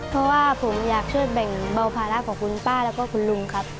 เพราะว่าผมอยากช่วยแบ่งเบาภาระของคุณป้าแล้วก็คุณลุงครับ